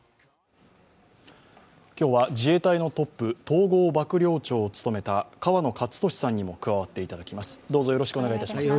今日は自衛隊のトップ、統合幕僚長を務めた河野克俊さんにも加わっていただきます。